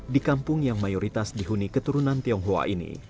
di kampung yang mayoritas dihuni keturunan tionghoa ini